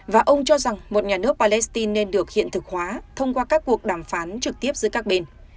và ông cho rằng một nhà nước palestine nên được hiện thực hóa thông qua các cuộc đàm phán trực tiếp giữa các bên